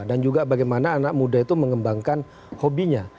dan juga bagaimana anak muda itu mengembangkan hobinya